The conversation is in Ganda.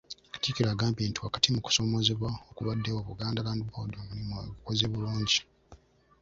Katikkiro agambye nti wakati mu kusoomoozebwa okubaddewo, Buganda Land Board omulimu egukoze bulungi.